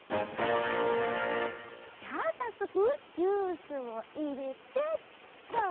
じゃあさっそくジュースをいれてっと。